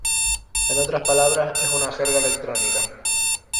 En otras palabras, es una jerga electrónica.